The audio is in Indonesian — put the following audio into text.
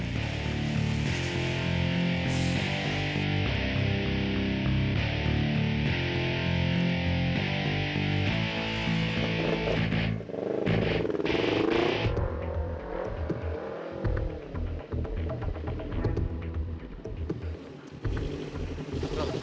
nanti kita berbual